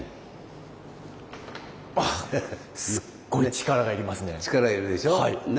あすっごい力が要りますね。